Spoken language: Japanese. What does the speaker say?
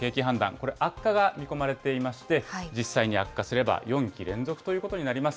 これ悪化が見込まれていまして、実際に悪化すれば４期連続ということになります。